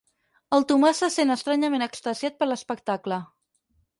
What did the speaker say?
El Tomàs se sent estranyament extasiat per l'espectacle.